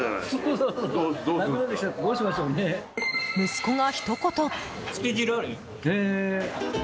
息子が、ひと言。